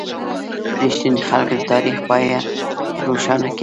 • رښتیني خلک د تاریخ پاڼه روښانه کوي.